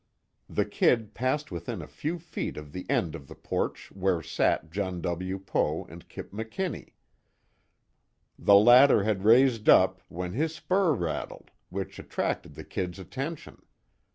The "Kid" passed within a few feet of the end of the porch where sat John W. Poe and Kip McKinnie. The latter had raised up, when his spur rattled, which attracted the "Kid's" attention.